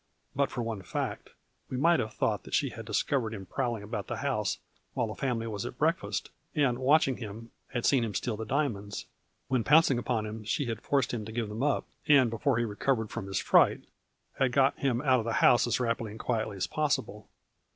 But for one fact, we might have thought that she had discovered him prowling about the house while the family was at breakfast, and, watching him, had seen him steal the diamonds, when pouncing upon him she had forced him to give them up ; and, before he recovered from his fright, had got him out of the house as rapidly and quietly as possible.